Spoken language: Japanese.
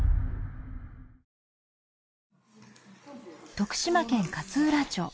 徳島県勝浦町。